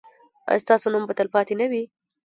ایا ستاسو نوم به تلپاتې نه وي؟